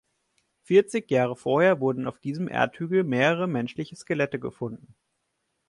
Vierzig Jahre vorher wurden auf diesem Erdhügel mehrere menschliche Skelette gefunden.